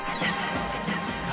誰？